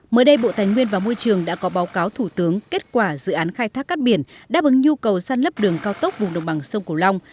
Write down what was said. mới đây bộ tài nguyên và môi trường đã có báo cáo thủ tướng kết quả dự án khai thác cát biển đáp ứng nhu cầu săn lấp đường cao tốc vùng đồng bằng sông cổ long